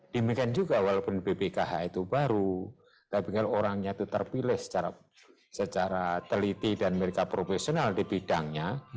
demikian juga walaupun bpkh itu baru tapi kalau orangnya itu terpilih secara teliti dan mereka profesional di bidangnya